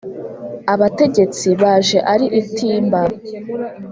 abategetsi baje ari itimba